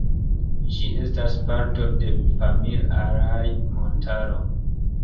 Ĝi estas parto de Pamir-Alaj-Montaro.